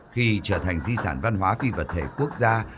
khi trở thành di sản văn hóa phi vật thể quốc gia